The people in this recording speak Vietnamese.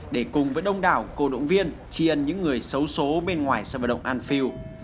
để cùng với đông đảo cô động viên tri ân những người xấu xố bên ngoài sân vận động anfield